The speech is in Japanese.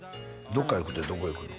どっか行くってどこへ行くの？